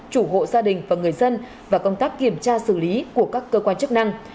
chủ hộ gia đình và người dân và công tác kiểm tra xử lý của các cơ quan chức năng